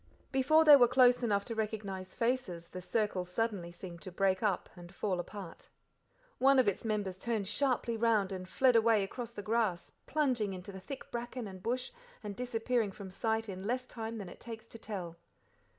Before they were close enough to recognize faces the circle suddenly seemed to break up and fall apart. One of its members turned sharply round and fled away across the grass, plunging into the thick bracken and bush, and disappearing from sight in less time than it takes to tell.